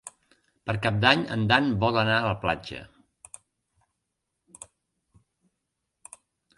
Per Cap d'Any en Dan vol anar a la platja.